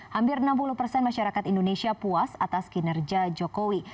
hampir enam puluh persen masyarakat indonesia puas atas kinerja jokowi